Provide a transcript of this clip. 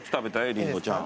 りんごちゃん。